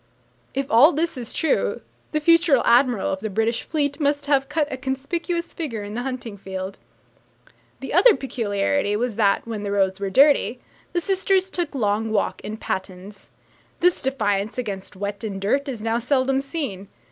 If all this is true, the future admiral of the British Fleet must have cut a conspicuous figure in the hunting field. The other peculiarity was that, when the roads were dirty, the sisters took long walks in pattens. This defence against wet and dirt is now seldom seen.